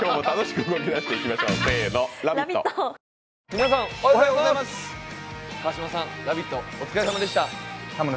皆さんおはようございます「ラヴィット！」